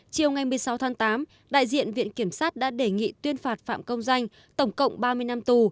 chiều ngày một mươi sáu tháng tám đại diện viện kiểm sát đã đề nghị tuyên phạt phạm công danh tổng cộng ba mươi năm tù